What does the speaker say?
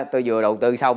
tôi vừa đầu tư xong